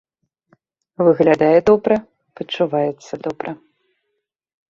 Выглядае добра, пачуваецца добра.